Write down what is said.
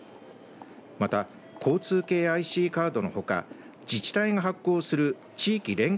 また、交通系ＩＣカードのほか自治体が発行する地域連携